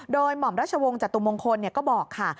โดยหม่อมราชวงศ์จตุมงคลก็บอกค่ะ